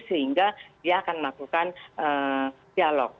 sehingga dia akan melakukan dialog